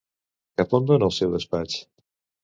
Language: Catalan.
Cap a on dona el seu despatx?